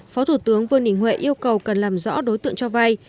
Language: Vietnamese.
phó thủ tướng vương đình huệ yêu cầu cần làm rõ đối tượng cho vay